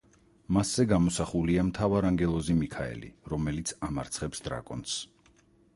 მასზე გამოსახულია მთავარანგელოზი მიქაელი, რომელიც ამარცხებს დრაკონს.